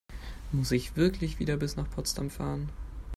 Muss ich wirklich wieder bis nach Potsdam fahren?